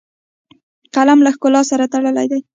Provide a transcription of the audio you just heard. قلم له ښکلا سره تړلی دی